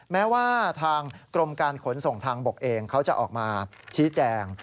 แม้ว่าทางกรมการขนส่งทางบกเองเขาจะออกมาชี้แจง